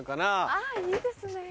あいいですね。